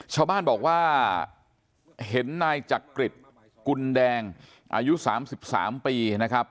ชาวบ้านบอกว่าเห็นนายจักริตกุลแดงอายุ๓๓ปีนะครับ